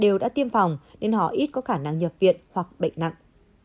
đều đã tiêm phòng nên họ ít có khả năng nhập viện hoặc bệnh nặng